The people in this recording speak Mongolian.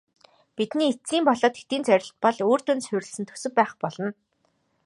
Бидний эцсийн болоод хэтийн зорилт бол үр дүнд суурилсан төсөв байх болно.